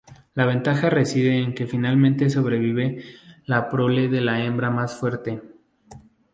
La ventaja reside en que finalmente sobrevive la prole de la hembra más fuerte.